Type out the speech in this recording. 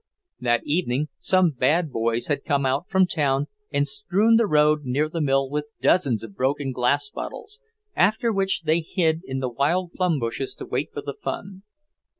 That evening some bad boys had come out from town and strewn the road near the mill with dozens of broken glass bottles, after which they hid in the wild plum bushes to wait for the fun.